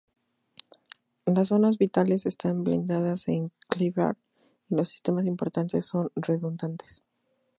Las zonas vitales están blindadas en Kevlar, y los sistemas importantes son redundantes.